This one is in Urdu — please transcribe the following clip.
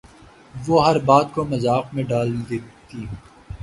وہ ہر بات کو مذاق میں ٹال دیتی